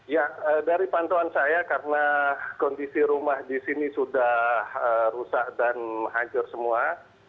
ya dari pantauan saya karena kondisi rumah di sini sudah rusak dan hancur semua